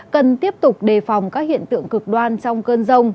cần tiếp tục đề phòng các hiện tượng cực đoan trong cơn rông